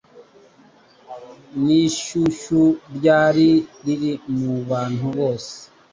n'ishyushyu ryari riri mu bantu bose.